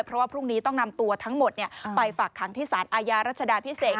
เพราะว่าพรุ่งนี้ต้องนำตัวทั้งหมดไปฝากขังที่สารอาญารัชดาพิเศษ